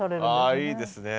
ああいいですね。